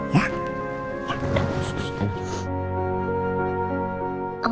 ya udah sus aja